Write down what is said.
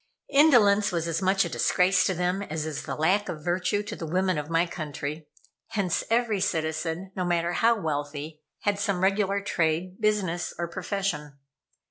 Indolence was as much a disgrace to them as is the lack of virtue to the women of my country, hence every citizen, no matter how wealthy, had some regular trade, business or profession.